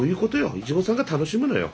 いちごさんが楽しむのよ。